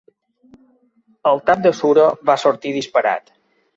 El tap de suro va sortir disparat.